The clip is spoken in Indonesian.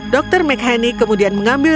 dr mchenick kemudian mengambil